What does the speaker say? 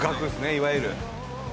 いわゆる。